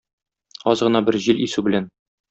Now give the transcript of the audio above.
Аз гына бер җил исү белән